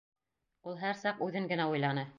Ул һәр саҡ үҙен генә уйланы!